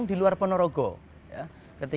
sebelum memerka kesehatan